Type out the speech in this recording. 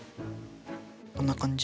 こんな感じ？